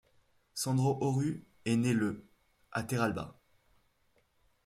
Sandro Orrù est né le à Terralba.